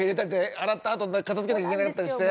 洗ったあと片づけなきゃいけなかったりして。